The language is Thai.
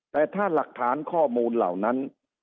แต่ถ้าหลักฐานข้อมูลเหล่านั้น